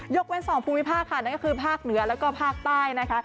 เว้นสองภูมิภาคค่ะนั่นก็คือภาคเหนือแล้วก็ภาคใต้นะคะ